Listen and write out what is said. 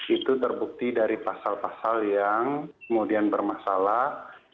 itu terbukti dari pasal pasal yang kemudian bermasalah